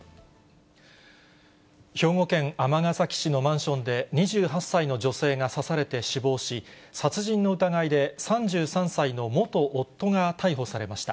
兵庫県尼崎市のマンションで、２８歳の女性が刺されて死亡し、殺人の疑いで３３歳の元夫が逮捕されました。